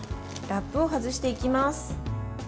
ラップを外していきます。